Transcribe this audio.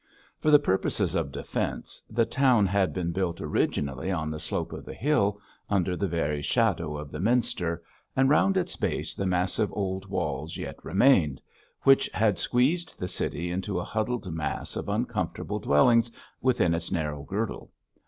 For the purposes of defence, the town had been built originally on the slopes of the hill, under the very shadow of the minster, and round its base the massive old walls yet remained, which had squeezed the city into a huddled mass of uncomfortable dwellings within its narrow girdle.